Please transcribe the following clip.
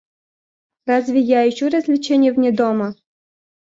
Разве я ищу развлечения вне дома?